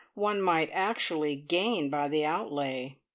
one might actually gain by the outlay.